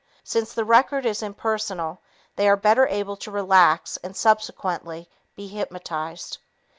Since the record is impersonal, they are better able to relax and subsequently be hypnotized.